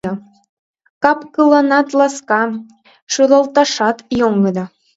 Кап-кылланат ласка, шӱлалташат йоҥгыдо!